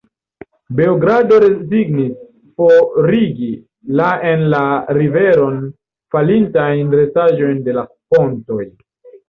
Beogrado rezignis forigi la en la riveron falintajn restaĵojn de la pontoj.